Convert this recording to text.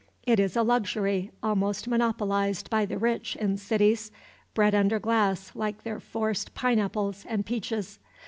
It is a luxury almost monopolized by the rich in cities, bred under glass like their forced pine apples and peaches.